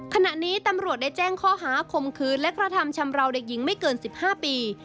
ขณะนี้ตำรวจได้แจ้งข้อหาคมคืนและกระทำชำราวเด็กหญิงไม่เกิน๑๕ปี